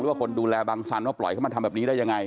ว่าคนดูแลบังสันว่าปล่อยเข้ามาทำแบบนี้ได้ยังไง